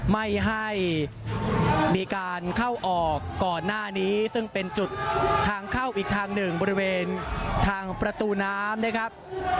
ไม่ให้มีการเข้าออกก่อนหน้านี้ซึ่งเป็นจุดทางเข้าอีกทางหนึ่งบริเวณทางประตูน้ำนะครับ